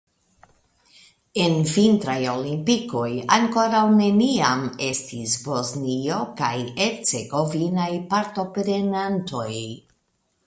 En vintraj olimpikoj ankoraŭ neniam estis Bosnio kaj Hercegovinaj partoprenantoj.